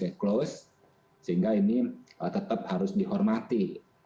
dan masih berhenti sehingga ini tetap harus dihormati